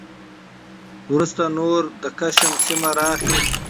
وروسته نو نور د کشم سیمه راخي